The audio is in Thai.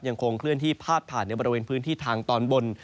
ยังคงเคลื่อนที่พาดผ่านในบริเวณพื้นที่ทางตอนบน